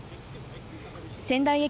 仙台駅